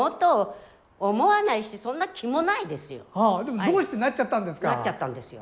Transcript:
私でもどうしてなっちゃったんですか？